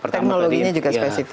teknologinya juga spesifik ya